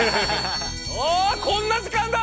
あこんな時間だ！